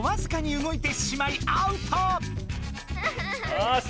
よし！